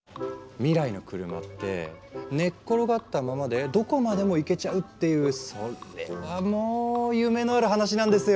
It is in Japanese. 未来の車って寝っ転がったままでどこまでも行けちゃうっていうそれはもう夢のある話なんですよ。